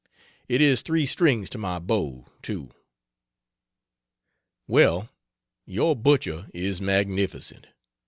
It is three strings to my bow, too. Well, your butcher is magnificent.